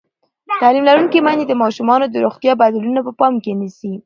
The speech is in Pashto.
تعلیم لرونکې میندې د ماشومانو د روغتیا بدلونونه په پام کې نیسي.